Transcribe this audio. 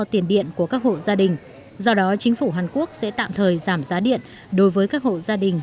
tiền điện của các hộ gia đình do đó chính phủ hàn quốc sẽ tạm thời giảm giá điện đối với các hộ gia đình